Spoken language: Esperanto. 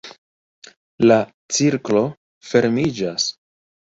La cirklo fermiĝas!